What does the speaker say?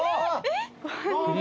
えっ？